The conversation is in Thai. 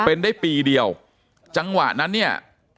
เป็นได้ปีเดียวจังหวะนั้นเนี่ย